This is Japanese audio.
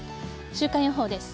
週間予報です。